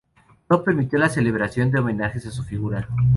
No permitió la celebración de homenajes a su figura.